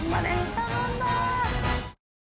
頼んだ！